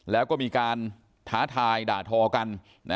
แล้วก็มีการท้าทายด่าทอกัน